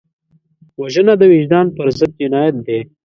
وژنه د وجدان پر ضد جنایت دی